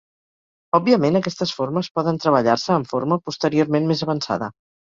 Òbviament, aquestes formes poden treballar-se en forma posteriorment més avançada.